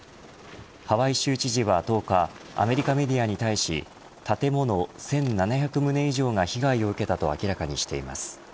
ハワイ州知事は１０日アメリカメディアに対し建物１７００棟以上が被害を受けたと明らかにしています。